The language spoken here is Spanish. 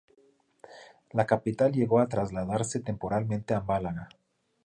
La capital llegó a trasladarse temporalmente a Málaga.